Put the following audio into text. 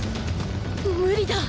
無理だ！